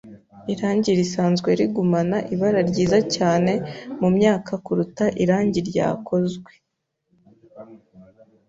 Irangi risanzwe rigumana ibara ryiza cyane mumyaka kuruta irangi ryakozwe.